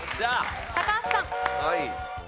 高橋さん。